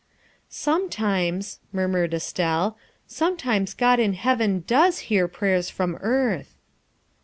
" Sometimes," murmured Estelle, " sometimes God in heaven does hear prayers from earth."